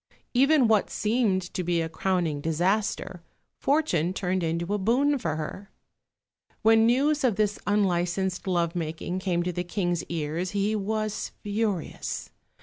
Even what seemed to be a crowning disaster, fortune turned into a boon for her. When news of this unlicensed love making came to the King's ears, he was furious.